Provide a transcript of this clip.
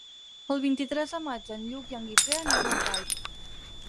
El vint-i-tres de maig en Lluc i en Guifré aniran a Calp.